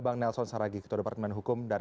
bang nelson saragih ketua departemen hukum dan